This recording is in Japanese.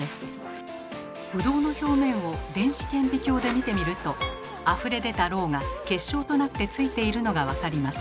ブドウの表面を電子顕微鏡で見てみるとあふれ出たろうが結晶となって付いているのが分かります。